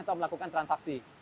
atau melakukan transaksi